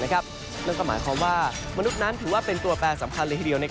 นั่นก็หมายความว่ามนุษย์นั้นถือว่าเป็นตัวแปรสำคัญเลยทีเดียว